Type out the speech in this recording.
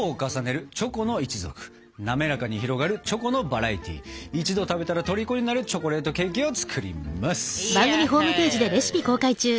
滑らかに広がるチョコのバラエティー一度食べたらとりこになるチョコレートケーキを作ります。